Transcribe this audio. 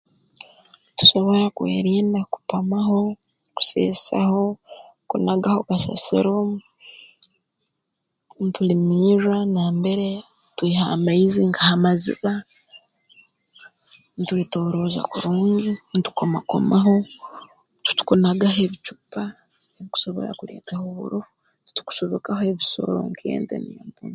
Tusobora kwerinda kupamaho kuseesaho kunagaho kasasiro ntulimirra nambere twiha amaizi nka ha maziba ntwetoorooza kurungi ntukomakomaho titukunagaho ebicupa ebikusobora kuleetaho oburofu tutukusubikaho ebisoro nk'ente n'empunu